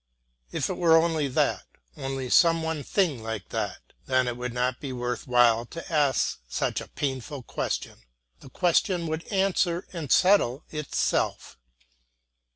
If it were only that, only some one thing like that, then it would not be worth while to ask such a painful question; the question would answer and settle itself.